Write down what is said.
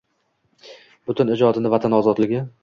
butun ijodini vatan ozodligi